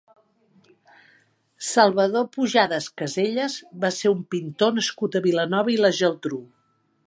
Salvador Pujadas Casellas va ser un pintor nascut a Vilanova i la Geltrú.